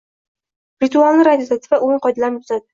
ritualni rad etadi va “o‘yin qoidalarini” buzadi: